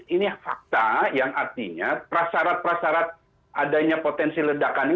ini fakta yang artinya prasarat prasarat adanya potensi ledakan ini